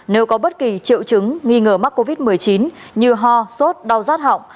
nếu có bất kỳ triệu chứng nghi ngờ mắc covid một mươi chín như ho sốt đau rát họng